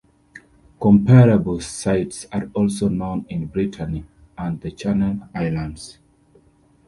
Comparable sites are also known in Brittany and the Channel Islands.